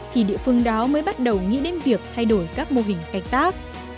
thì địa phương đó mới bắt đầu nghĩ đến việc thay đổi các mô hình canh tác